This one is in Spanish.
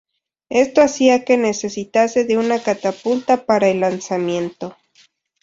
Esto hacía que necesitase de una catapulta para el lanzamiento.